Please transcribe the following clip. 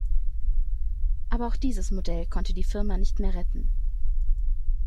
Aber auch dieses Modell konnte die Firma nicht mehr retten.